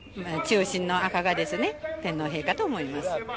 中心の赤がですね天皇陛下と思います